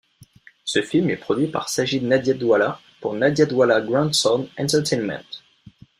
Ce film est produit par Sajid Nadiadwala pour Nadiadwala Grandson Entertainment.